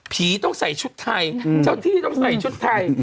ต้องใส่ชุดไทยเจ้าที่ต้องใส่ชุดไทย